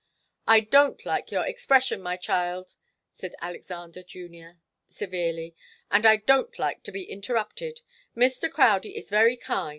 "I don't like your expression, my child," said Alexander Junior, severely, "and I don't like to be interrupted. Mr. Crowdie is very kind.